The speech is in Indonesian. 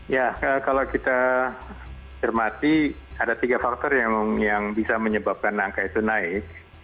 ya kalau kita cermati ada tiga faktor yang bisa menyebabkan angka itu naik